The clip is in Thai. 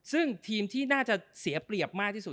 ซึ่งทีมที่น่าจะเสียเปรียบมากที่สุด